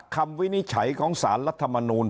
วินิจฉัยของสารรัฐมนูล